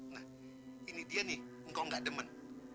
nah ini dia nih engkau gak demen